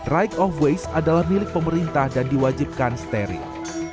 right of waste adalah milik pemerintah dan diwajibkan sterik